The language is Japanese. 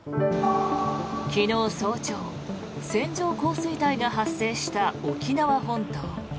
昨日早朝線状降水帯が発生した沖縄本島。